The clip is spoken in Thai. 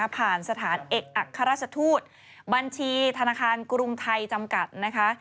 สถานเอกอัครราชทูตบัญชีธนาคารกรุงไทยจำกัดนะคะ